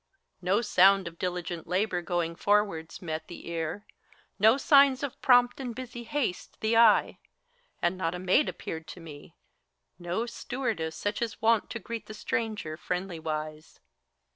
No sound of diligent labor, going forwards, met The ear, no sig^s of prompt and busy haste the eye; And not a maid appeared to me, no stewardess Such as is wont to greet the stranger, friendly wise.